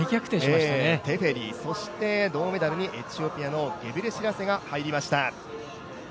テフェリ、そして、銅メダルにエチオピアのゲブレシラセが入りました。